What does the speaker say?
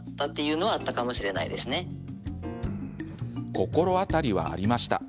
心当たりはありました。